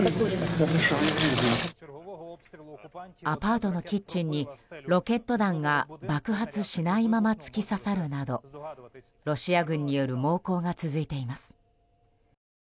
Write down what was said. アパートのキッチンにロケット弾が爆発しないまま突き刺さるなどロシア軍による猛攻が続いています。